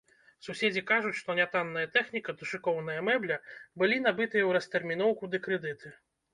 Суседзі кажуць, што нятанная тэхніка ды шыкоўная мэбля былі набытыя ў растэрміноўку ды крэдыты.